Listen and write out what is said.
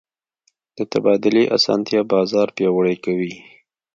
د تبادلې اسانتیا بازار پیاوړی کوي.